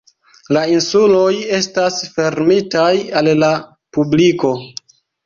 La insuloj estas fermitaj al la publiko.